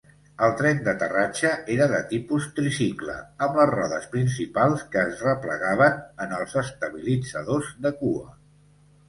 El tren d'aterratge era de tipus tricicle, amb les rodes principals que es replegaven en els estabilitzadors de cua.